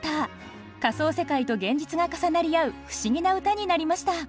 仮想世界と現実が重なり合う不思議な歌になりました。